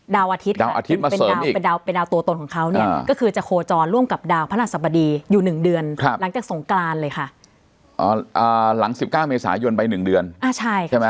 ดาวอาทิตย์ค่ะดาวอาทิตย์มาเสริมอีก